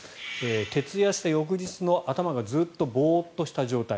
徹夜した翌日の頭がずっとボーッとした状態。